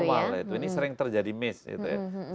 dari awal ya ini sering terjadi miss gitu ya